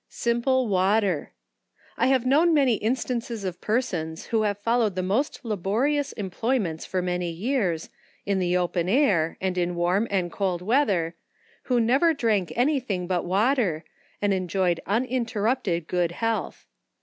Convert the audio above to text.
Simple Water. I have known many instances of persons who have followed the most laborious employ ments for many years, in the open air, and in warm and cold weather, who never drank any thing but water, and enjoyed uninterrupted good health.